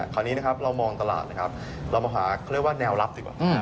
คราวนี้เรามองตลาดเรามาหาแนวลับดีกว่า